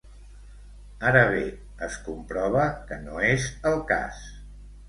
Ara bé es comprova que no és el cas.